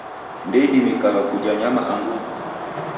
Ndeidimikagha kuja nyama angu nguku.